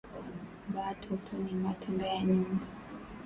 Ba toto ni matunda ya nyumba